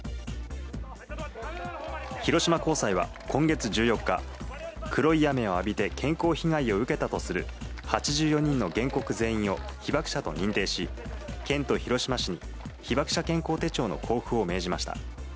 広島高裁は今月１４日、黒い雨を浴びて健康被害を受けたとする８４人の原告全員を被爆者と認定し、県と広島市に被爆者健康手帳の交付を命じました。